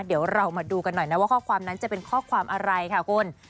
เดี๋ยวเรามาดูกันหน่อยนะว่าข้อความนั้นจะเป็นข้อความอะไรค่ะคุณ